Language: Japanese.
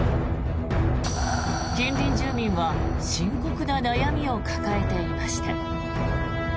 近隣住民は深刻な悩みを抱えていました。